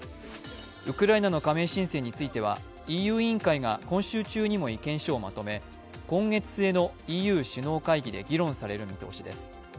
ウクライナの加盟申請についてはＥＵ委員会が今週中にも意見書をまとめ今月末のＥＵ首脳会議で議論される見通しです。